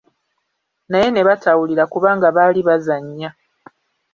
Naye ne batawulira kubanga baali bazannya.